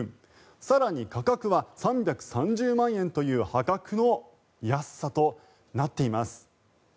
更に価格は３３０万円という破格の安さとなっています。